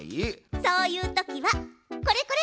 そういうときはこれこれ！